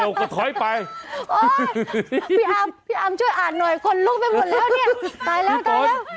ผลลูกไปหมดแล้วตายแล้วตายแล้ว